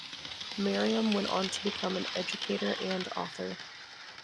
Miriam went on to become an educator and author.